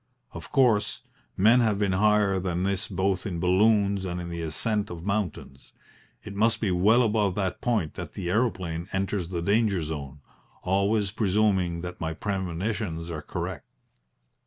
Of course, men have been higher than this both in balloons and in the ascent of mountains. It must be well above that point that the aeroplane enters the danger zone always presuming that my premonitions are correct.